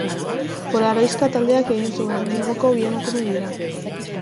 Polaroiska taldeak egin zuen, Bilboko bi emakume dira.